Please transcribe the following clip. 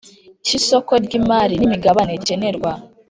cy isoko ry imari n imigabane gikenerwa